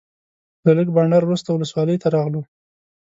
له لږ بانډار وروسته ولسوالۍ ته راغلو.